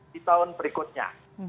di tahun berikutnya